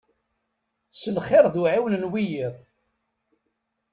S lxir d uɛiwen n wiyiḍ.